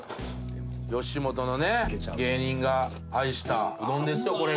吉本のね、芸人が愛したうどんですよ、これが。